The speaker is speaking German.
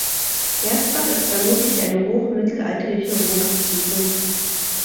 Gersbach ist vermutlich eine hochmittelalterliche Rodungssiedlung.